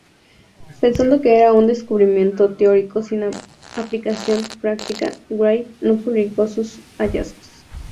Pensando que era un descubrimiento teórico sin aplicación práctica, Gray no publicó sus hallazgos.